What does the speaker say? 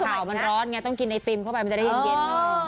ข่าวมันร้อนไงต้องกินไอติมเข้าไปมันจะได้เย็นหน่อย